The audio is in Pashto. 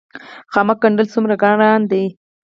خامک ګنډل څومره ګران دي؟